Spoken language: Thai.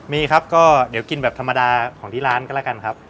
มีครับก็เดี๋ยวกินแบบธรรมดาของที่ร้านก็แล้วกันครับ